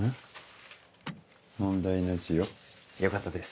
問題なしよ。よかったです。